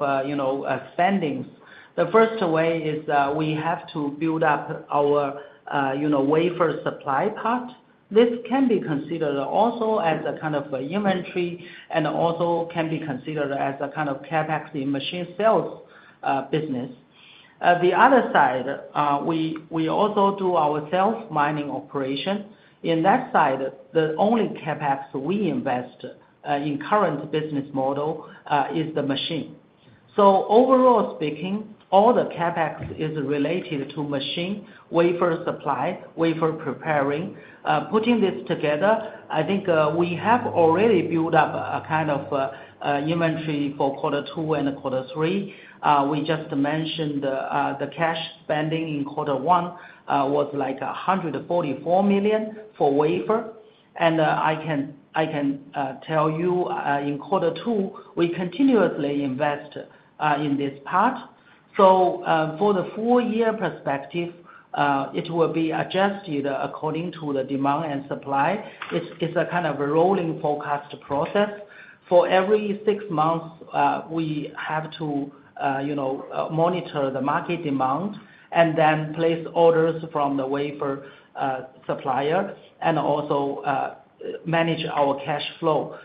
spending. The first way is we have to build up our wafer supply part. This can be considered also as a kind of inventory and also can be considered as a kind of CapEx in machine sales business. The other side, we also do our self-mining operation. In that side, the only CapEx we invest in the current business model is the machine. Overall speaking, all the CapEx is related to machine, wafer supply, wafer preparing. Putting this together, I think we have already built up a kind of inventory for quarter two and quarter three. We just mentioned the cash spending in quarter one was like $144 million for wafer.I can tell you in quarter two, we continuously invest in this part. For the full-year perspective, it will be adjusted according to the demand and supply. It is a kind of a rolling forecast process. For every six months, we have to monitor the market demand and then place orders from the wafer supplier and also manage our cash flow.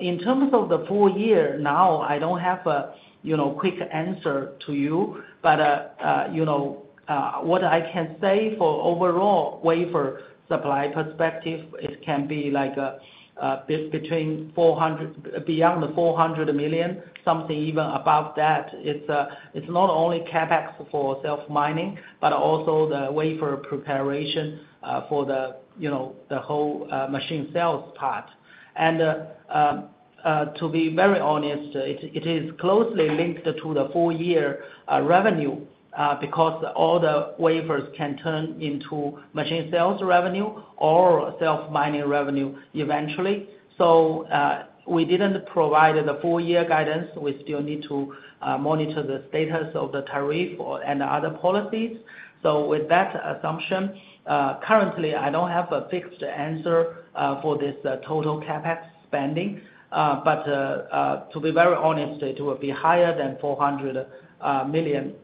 In terms of the full year now, I do not have a quick answer to you, but what I can say for overall wafer supply perspective, it can be like between beyond $400 million, something even above that. It is not only CapEx for self-mining, but also the wafer preparation for the whole machine sales part. To be very honest, it is closely linked to the full-year revenue because all the wafers can turn into machine sales revenue or self-mining revenue eventually. We did not provide the full-year guidance. We still need to monitor the status of the tariff and other policies. With that assumption, currently, I do not have a fixed answer for this total CapEx spending. To be very honest, it will be higher than $400 million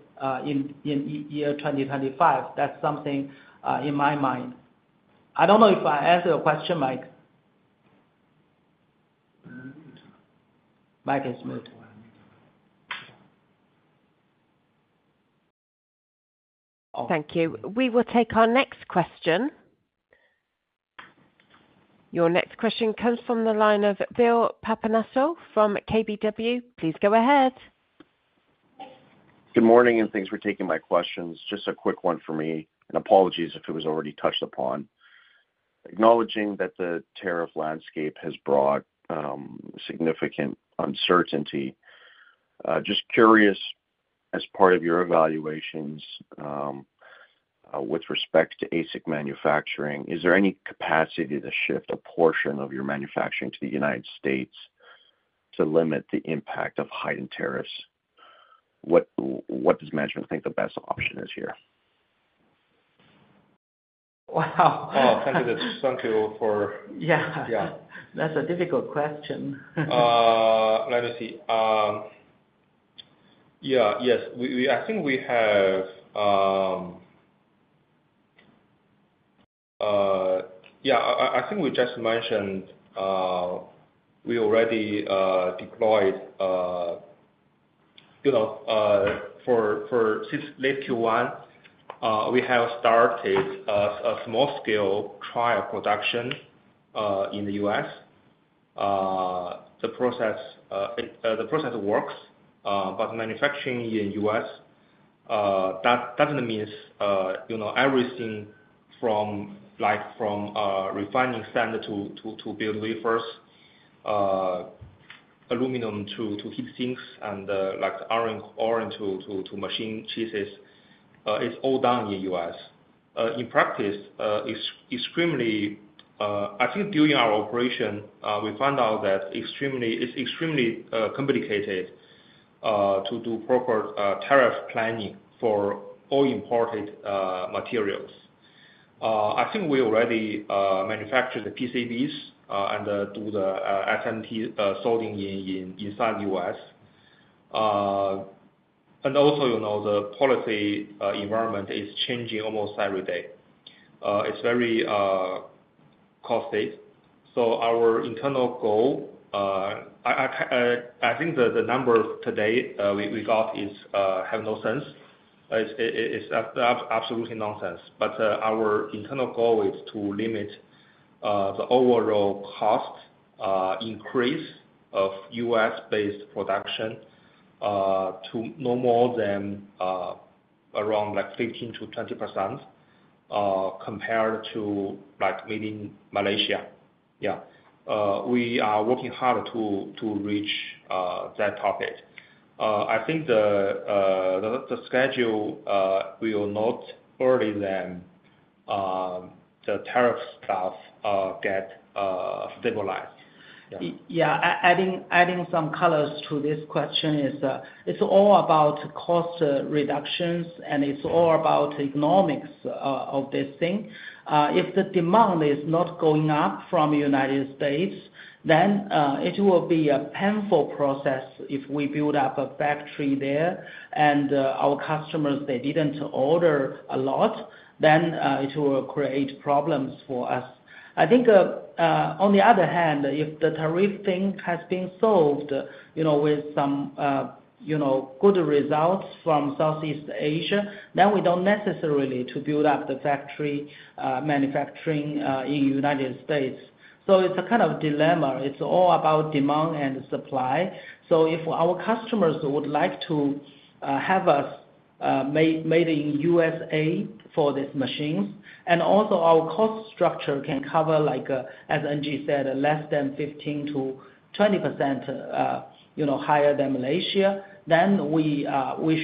in year 2025. That is something in my mind. I do not know if I answered your question, Mike. Mike is mute. Thank you. We will take our next question. Your next question comes from the line of Bill Papanasso from Keefe Bruyette & Woods. Please go ahead. Good morning, and thanks for taking my questions. Just a quick one for me. Apologies if it was already touched upon. Acknowledging that the tariff landscape has brought significant uncertainty. Just curious, as part of your evaluations with respect to ASIC manufacturing, is there any capacity to shift a portion of your manufacturing to the United States to limit the impact of heightened tariffs? What does management think the best option is here? Wow. Thank you. Yeah. That's a difficult question. Let me see. Yeah. Yes. I think we have, yeah, I think we just mentioned we already deployed for late Q1, we have started a small-scale trial production in the United States. The process works, but manufacturing in the United States, that doesn't mean everything from refining sand to build wafers, aluminum to heat sinks, and iron to machine chassis, it's all done in the United States. In practice, I think during our operation, we found out that it's extremely complicated to do proper tariff planning for all imported materials.I think we already manufactured the PCBs and do the SMT sold inside the U.S. Also, the policy environment is changing almost every day. It's very costly. Our internal goal, I think the number today we got has no sense. It's absolutely nonsense. Our internal goal is to limit the overall cost increase of U.S.-based production to no more than around 15%-20% compared to meeting Malaysia. Yeah. We are working hard to reach that target. I think the schedule will not be early than the tariff stuff gets stabilized. Yeah. Yeah. Adding some colors to this question is it's all about cost reductions, and it's all about economics of this thing. If the demand is not going up from the United States, then it will be a painful process if we build up a factory there. Our customers, they did not order a lot, then it will create problems for us. I think on the other hand, if the tariff thing has been solved with some good results from Southeast Asia, then we do not necessarily need to build up the factory manufacturing in the United States. It is a kind of dilemma. It is all about demand and supply. If our customers would like to have us made in the United States for these machines, and also our cost structure can cover, as Angie said, less than 15%-20% higher than Malaysia, then we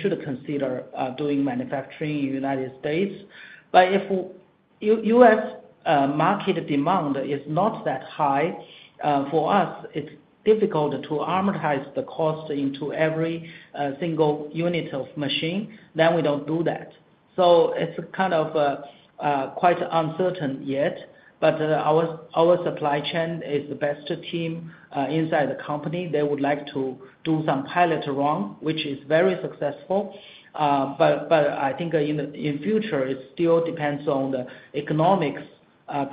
should consider doing manufacturing in the United States. If U.S. market demand is not that high, for us, it is difficult to amortize the cost into every single unit of machine, then we do not do that. It is kind of quite uncertain yet. Our supply chain is the best team inside the company. They would like to do some pilot run, which is very successful. I think in the future, it still depends on the economics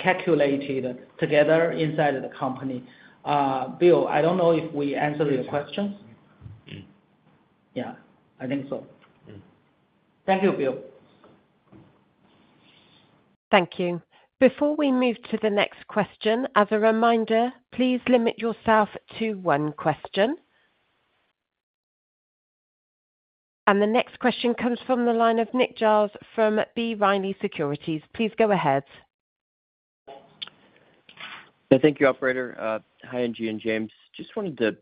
calculated together inside of the company. Bill, I do not know if we answered your question. Yeah. I think so. Thank you, Bill. Thank you. Before we move to the next question, as a reminder, please limit yourself to one question. The next question comes from the line of Nick Giles from B. Riley Securities. Please go ahead. Thank you, Operator. Hi, Angie and James. Just wanted to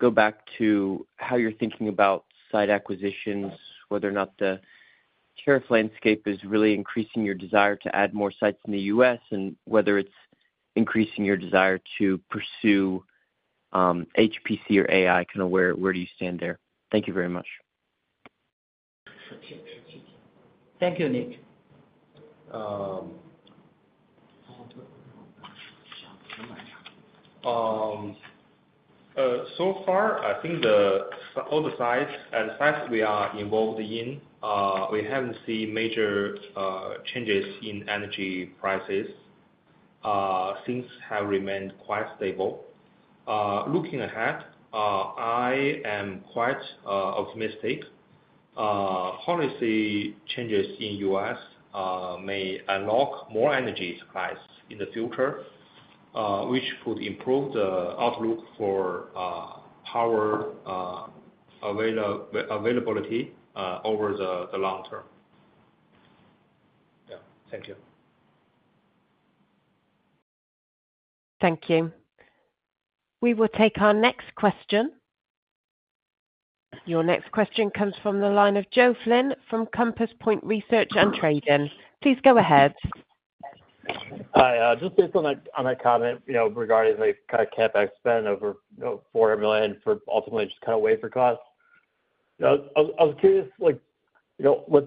go back to how you are thinking about site acquisitions, whether or not the tariff landscape is really increasing your desire to add more sites in the U.S., and whether it is increasing your desire to pursue HPC or AI. Kind of where do you stand there? Thank you very much. Thank you, Nick. So far, I think all the sites we are involved in, we have not seen major changes in energy prices. Things have remained quite stable. Looking ahead, I am quite optimistic. Policy changes in the U.S. may unlock more energy supplies in the future, which could improve the outlook for power availability over the long term. Yeah. Thank you. Thank you. We will take our next question. Your next question comes from the line of Joe Flynn from Compass Point Research and Trading. Please go ahead. Hi. Just based on my comment regarding the kind of CapEx spend over $400 million for ultimately just kind of wafer costs, I was curious with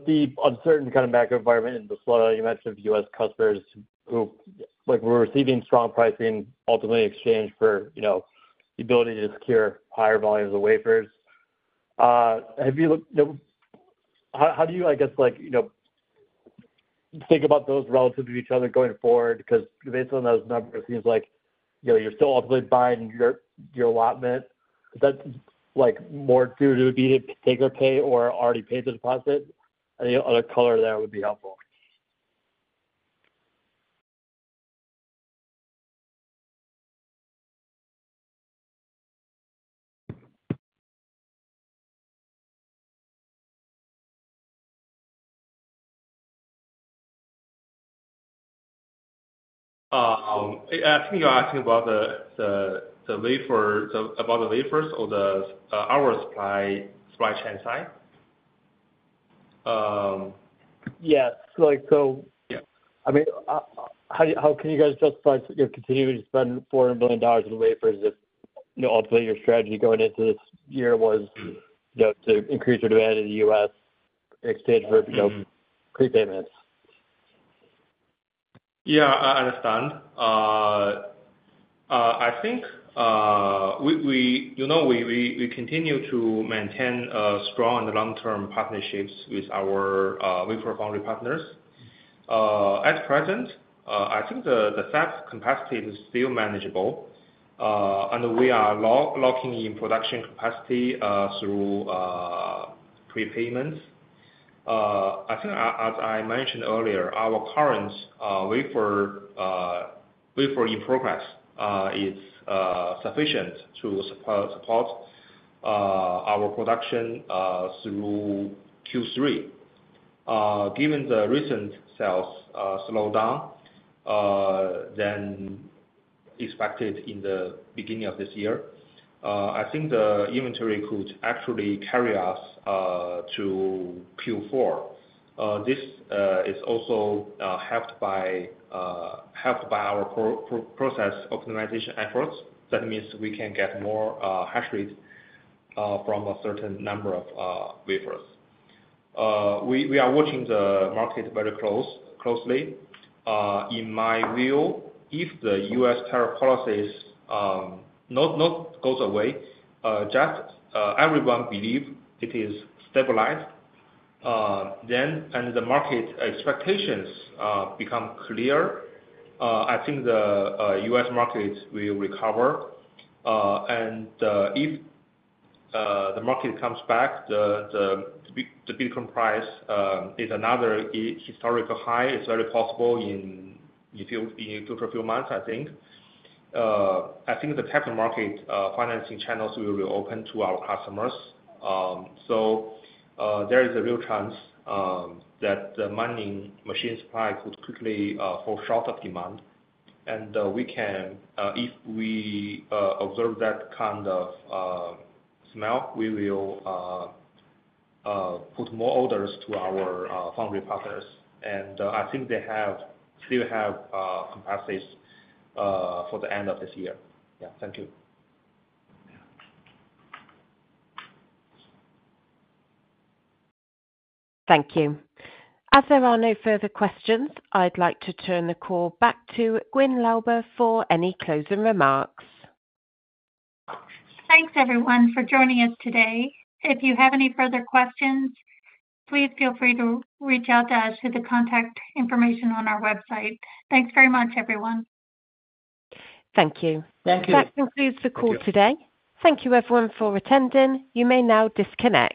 the uncertain kind of macro environment and the slowdown you mentioned of U.S. customers who were receiving strong pricing ultimately in exchange for the ability to secure higher volumes of wafers. How do you, I guess, think about those relative to each other going forward? Because based on those numbers, it seems like you're still ultimately buying your allotment. Is that more due to being a pay-per-pay or already paid the deposit? I think another color there would be helpful. Are you asking about the wafers or our supply chain side? Yes. I mean, how can you guys justify continuing to spend $400 million on wafers if ultimately your strategy going into this year was to increase your demand in the U.S. in exchange for prepayments? Yeah. I understand. I think we continue to maintain strong and long-term partnerships with our wafer foundry partners. At present, I think the ASP capacity is still manageable, and we are locking in production capacity through prepayments.I think, as I mentioned earlier, our current wafer in progress is sufficient to support our production through Q3. Given the recent sales slowdown than expected in the beginning of this year, I think the inventory could actually carry us to Q4. This is also helped by our process optimization efforts. That means we can get more hash rate from a certain number of wafers. We are watching the market very closely. In my view, if the U.S. tariff policies not go away, just everyone believes it is stabilized, and the market expectations become clear, I think the U.S. market will recover. If the market comes back, the Bitcoin price is another historical high. It's very possible in a few months, I think. I think the capital market financing channels will reopen to our customers. There is a real chance that the mining machine supply could quickly fall short of demand. If we observe that kind of smell, we will put more orders to our foundry partners. I think they still have capacities for the end of this year. Thank you. Thank you. As there are no further questions, I'd like to turn the call back to Gwyn Lauber for any closing remarks. Thanks, everyone, for joining us today. If you have any further questions, please feel free to reach out to us through the contact information on our website. Thanks very much, everyone. Thank you. Thank you. That concludes the call today. Thank you, everyone, for attending. You may now disconnect.